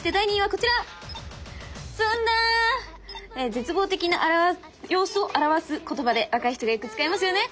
絶望的な様子を表す言葉で若い人がよく使いますよね。